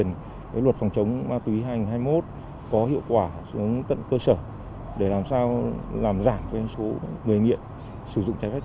những nguồn cầu